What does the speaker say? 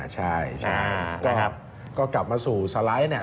ใช่ก็กลับมาสู่สไลด์